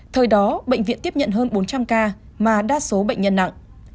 thời đó bệnh viện tiếp nhận hơn bốn trăm linh ca mà đa số bệnh nhân nặng